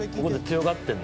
強がってる？